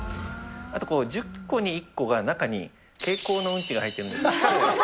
あと１０個に１個が中に蛍光のうんちが入ってるんです。